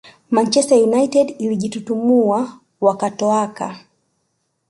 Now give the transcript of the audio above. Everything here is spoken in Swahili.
Manchester United ilijitutumua wakatoaka